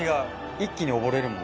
一気に溺れるもん